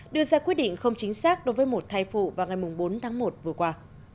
đưa ra quyết định không chính xác đối với một thai phụ vào ngày bốn tháng một vừa qua